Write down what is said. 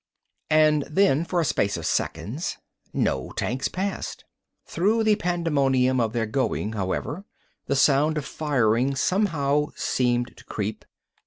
And then, for a space of seconds, no tanks passed. Through the pandemonium of their going, however, the sound of firing somehow seemed to creep.